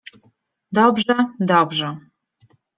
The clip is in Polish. — Dobrze! dobrze!